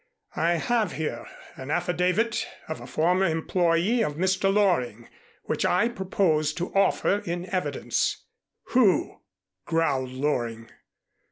"I have here an affidavit of a former employee of Mr. Loring which I propose to offer in evidence." "Who?" growled Loring.